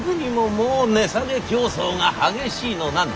もう値下げ競争が激しいのなんの。